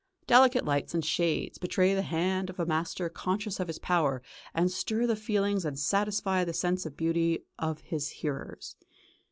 Delicate lights and shades betray the hand of a master conscious of his power to stir the feelings and satisfy the sense of beauty of his hearers.